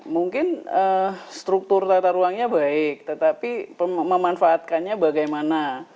mungkin struktur tata ruangnya baik tetapi memanfaatkannya bagaimana